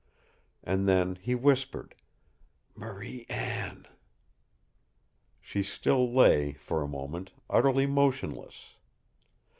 And then he whispered, "Marie Anne " She still lay, for a moment, utterly motionless.